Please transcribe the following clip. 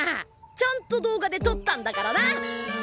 ちゃんと動画でとったんだからな！